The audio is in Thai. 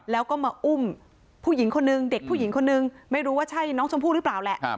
แล้วก็มาอุ้มผู้หญิงคนนึงเด็กผู้หญิงคนนึงไม่รู้ว่าใช่น้องชมพู่หรือเปล่าแหละ